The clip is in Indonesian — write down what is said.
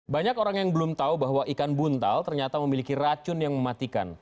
banyak orang yang belum tahu bahwa ikan buntal ternyata memiliki racun yang mematikan